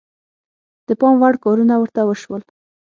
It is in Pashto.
د پام وړ کارونه ورته وشول.